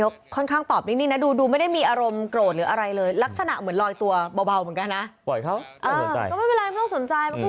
ประกูลเข้าการบุกรุกปลุกประกูล